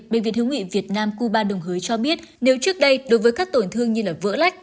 bệnh viện hiếu nghị việt nam cuba đồng hới cho biết nếu trước đây đối với các tổn thương như vỡ lách